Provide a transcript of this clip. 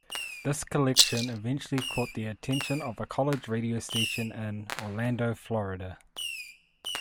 This collection eventually caught the attention of a college radio station in Orlando, Florida.